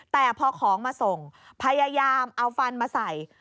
แต่พอของมาส่งพยายามเอาฟันมาใส่